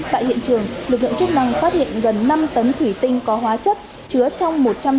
tại hiện trường lực lượng chức năng phát hiện gần năm tấn thủy tinh có hóa chất chứa trong